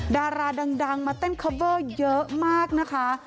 ดาราดังมาเต้นคอเวอร์เยอะมากนะคะ